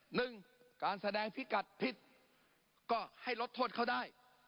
หนึ่งการแสดงพิกัดผิดก็ให้ลดโทษเขาได้